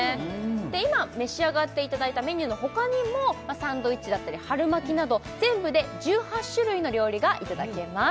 今召し上がっていただいたメニューのほかにもサンドイッチだったり春巻きなど全部で１８種類の料理がいただけます